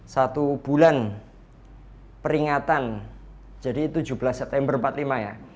satu bulan peringatan jadi tujuh belas september seribu empat puluh lima ya